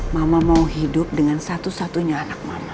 mama mau hidup dengan satu satunya anak mana